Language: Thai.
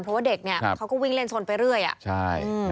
เพราะว่าเด็กเนี่ยเขาก็วิ่งเล่นสนไปเรื่อย